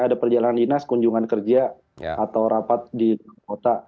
ada perjalanan dinas kunjungan kerja atau rapat di kota